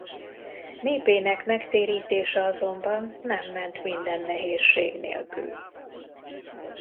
Népének megtérítése azonban nem ment minden nehézség nélkül.